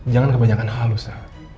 jangan kebanyakan hal elsa